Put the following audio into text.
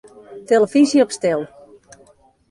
Tillefyzje op stil.